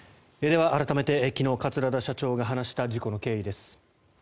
では改めて昨日、桂田社長が話した事故の経緯です。